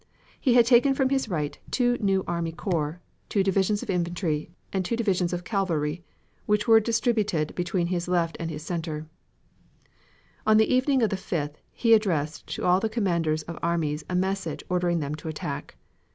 He had taken from his right two new army corps, two divisions of infantry, and two divisions of cavalry, which were distributed between his left and his center. On the evening of the 5th he addressed to all the commanders of armies a message ordering them to attack.